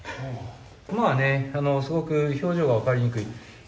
熊はね、すごく表情が分かりにくい。